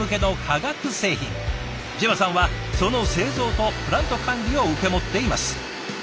ＪＥＶＡさんはその製造とプラント管理を受け持っています。